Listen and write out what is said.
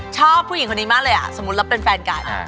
ชอบผู้หญิงคนนี้มากเลยสมมุติเราเป็นแฟนกัน